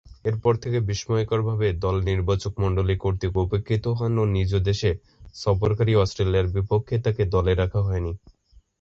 এরপর থেকে বিস্ময়করভাবে দল নির্বাচকমণ্ডলী কর্তৃক উপেক্ষিত হন ও নিজ দেশে সফরকারী অস্ট্রেলিয়ার বিপক্ষে তাকে দলে রাখা হয়নি।